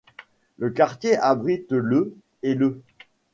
Le quartier abrite le ' et le '.